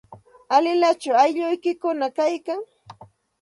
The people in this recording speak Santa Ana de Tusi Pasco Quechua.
¿Alilachu aylluykikuna kaykan?